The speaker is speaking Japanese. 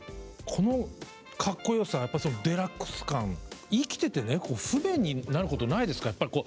このかっこよさデラックス感生きててね不便になることないですか？